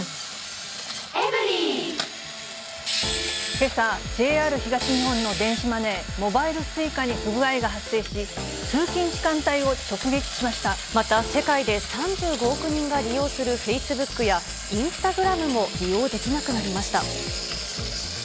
けさ、ＪＲ東日本の電子マネー、モバイルＳｕｉｃａに不具合が発生し、また、世界で３５億人が利用するフェイスブックや、インスタグラムも利用できなくなりました。